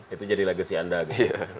itu jadi legacy anda gitu